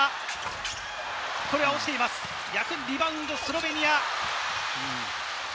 リバウンドはスロベニア！